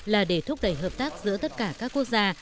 là để thúc đẩy hợp tác giữa tất cả các quốc gia